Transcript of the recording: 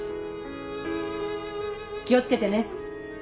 気を付けてね。